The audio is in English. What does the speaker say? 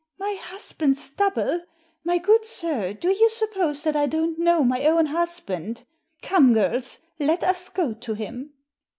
"My husband's double? My good sir, do you suppose that I don't know my own husband? Come, girls, let us go to him."